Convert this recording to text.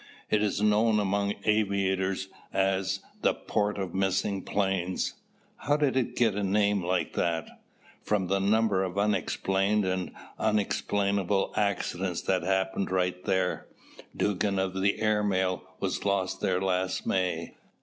It is known among aviators as 'The Port of Missing Planes.'" "How did it get a name like that?" "From the number of unexplained and unexplainable accidents that happen right there. Dugan of the air mail, was lost there last May.